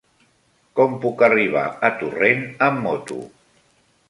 Com puc arribar a Torrent amb moto?